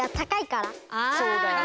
そうだよね。